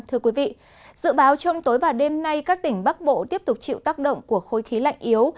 thưa quý vị dự báo trong tối và đêm nay các tỉnh bắc bộ tiếp tục chịu tác động của khối khí lạnh yếu